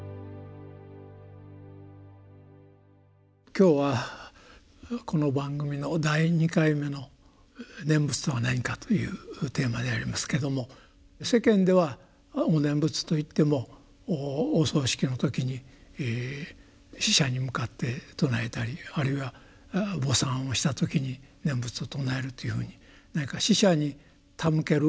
今日はこの番組の第２回目の「念仏とはなにか」というテーマでありますけども世間ではお念仏といってもお葬式の時に死者に向かって称えたりあるいは墓参をした時に念仏を称えるっていうふうに何か死者に手向ける